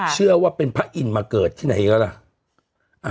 เชื่อว่าเป็นพระอิ่นมาเกิดที่ไหนก็ละ